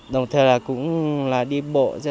đồng thời là cũng đi bộ rất xa